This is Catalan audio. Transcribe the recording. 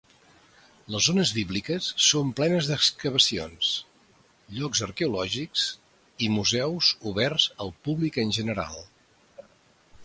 Les zones bíbliques són plenes d'excavacions, llocs arqueològics i museus oberts al públic en general.